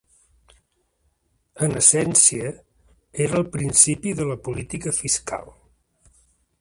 En essència, era el principi de la política fiscal.